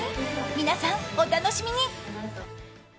皆さん、お楽しみに。